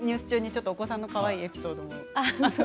ニュース中にお子さんのかわいいエピソードも。